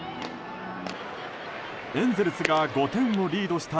エンゼルスが５点をリードした